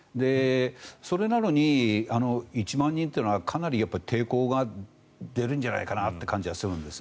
それなのに１万人というのはかなり抵抗が出るんじゃないかなという感じがするんです。